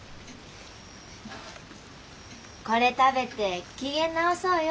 これ食べて機嫌直そうよ。